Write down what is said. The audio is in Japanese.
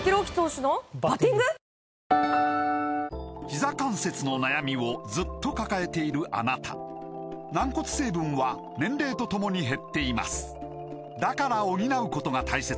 ひざ関節の悩みをずっと抱えているあなた軟骨成分は年齢とともに減っていますだから補うことが大切です